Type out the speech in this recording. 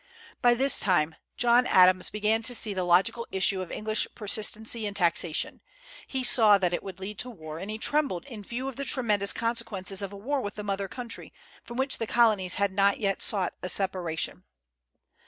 By this time John Adams began to see the logical issue of English persistency in taxation. He saw that it would lead to war, and he trembled in view of the tremendous consequences of a war with the mother country, from which the Colonies had not yet sought a separation.